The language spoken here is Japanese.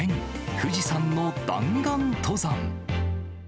富士山の弾丸登山。